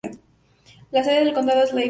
La sede de condado es Lafayette.